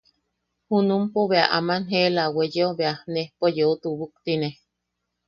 Junumpo bea aman eela a weyeo bea nejpo yeu tubuktine.